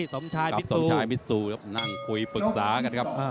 สงชัยมิตซูนั่งคุยปรึกษากันครับ